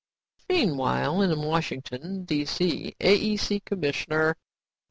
"Meanwhile, in Washington, AEC commissioner...."